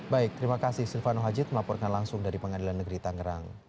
baik terima kasih silvano hajid melaporkan langsung dari pengadilan negeri tangerang